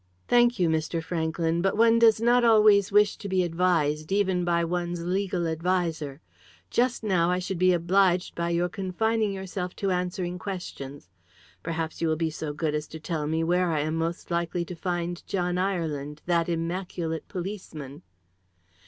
"Thank you, Mr. Franklyn, but one does not always wish to be advised even by one's legal adviser. Just now I should be obliged by your confining yourself to answering questions. Perhaps you will be so good as to tell me where I am most likely to find John Ireland, that immaculate policeman?"